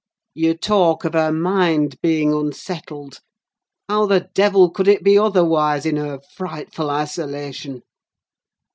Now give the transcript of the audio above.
You talk of her mind being unsettled. How the devil could it be otherwise in her frightful isolation?